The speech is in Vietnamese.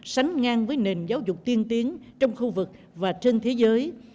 sánh ngang với nền giáo dục tiên tiến trong khu vực và trên thế giới